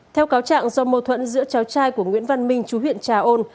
theo cáo trạng do mâu thuẫn giữa cháu trai của nguyễn văn minh chú huyện trà ôn